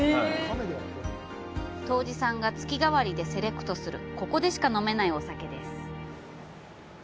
杜氏さんが月替わりでセレクトする、ここでしか飲めないお酒です。